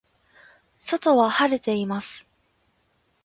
外は晴れています。